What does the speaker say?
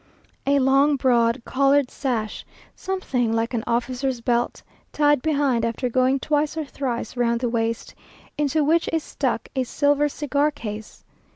A long, broad, coloured sash, something like an officer's belt, tied behind after going twice or thrice round the waist, into which is stuck a silver cigar case.